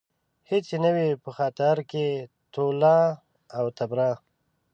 هېڅ يې نه وي په خاطر کې تولاً و تبرا